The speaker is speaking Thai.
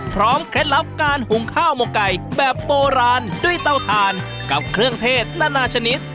เคล็ดลับการหุงข้าวหมกไก่แบบโบราณด้วยเตาถ่านกับเครื่องเทศนานาชนิด